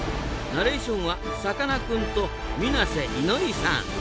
ナレーションはさかなクンと水瀬いのりさん。